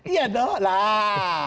iya dong lah